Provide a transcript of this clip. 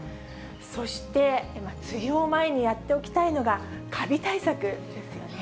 そして、梅雨を前にやっておきたいのが、かび対策ですよね。